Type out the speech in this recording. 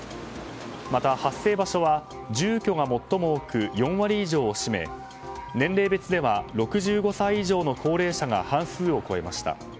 また、発生場所は住居が最も多く４割以上を占め、年齢別では６５歳以上の高齢者が半数を超えました。